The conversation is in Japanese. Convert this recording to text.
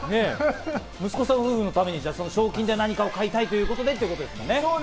息子さん夫婦のために賞金で何かを買いたいということですかね。